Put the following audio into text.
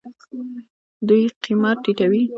دوی قیمت ټیټوي.